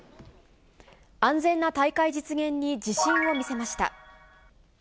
安全な大会実現に自信を見せました。